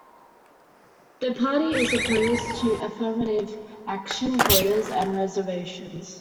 The party is opposed to affirmative action quotas and reservations.